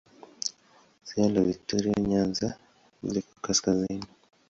Ziwa la Viktoria Nyanza liko kaskazini.